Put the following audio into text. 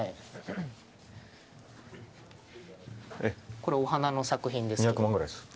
これは、お花の作品です。